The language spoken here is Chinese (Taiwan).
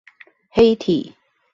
黑體